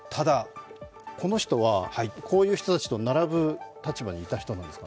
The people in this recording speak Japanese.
この人たちは、こういう人たちと並ぶ立場にいた人なんですか。